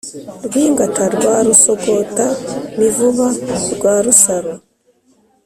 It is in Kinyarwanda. rwingata rwa rusogota mivuba rwa rusaro,